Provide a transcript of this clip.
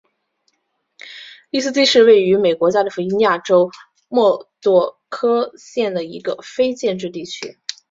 利斯基是位于美国加利福尼亚州莫多克县的一个非建制地区。